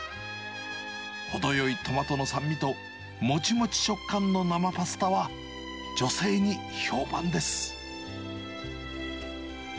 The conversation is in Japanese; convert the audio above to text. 程よいトマトの酸味と、もちもち食感の生パスタは、女性に評判です。